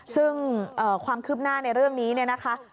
ซึ่งความคืบหน้าในเรื่องนี้เนี่ยนะคะ